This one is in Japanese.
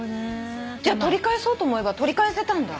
じゃあ取り返そうと思えば取り返せたんだ？